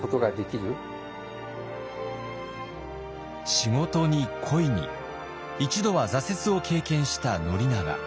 仕事に恋に一度は挫折を経験した宣長。